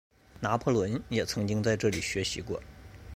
拿破仑也曾经在这里学习过。